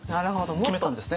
決めたんですね。